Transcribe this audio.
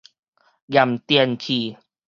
驗電器